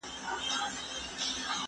کالي ومينځه!.